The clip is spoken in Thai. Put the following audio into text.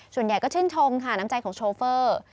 ส่วนใหญ่ก็ชื่นชมค่ะน้ำใจของโชเฟอร์